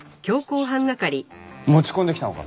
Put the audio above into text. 持ち込んできたのか。